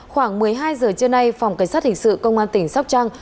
khoảng một mươi hai giờ trưa nay phòng cảnh sát hình sự công an tỉnh sóc trăng